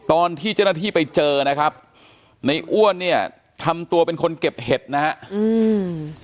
ตอนที่เจ้าหน้าที่ไปเจอนะครับในอ้วนเนี่ยทำตัวเป็นคนเก็บเห็ดนะฮะอืม